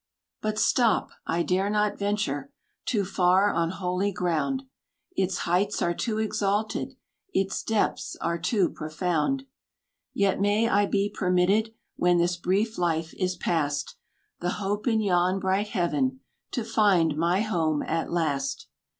But stop I dare not venture Too far on holy ground; Its heights are too exalted, Its depths are too profound. Yet may I be permitted, When this brief life is past, The hope in yon bright heaven, To find my home at last.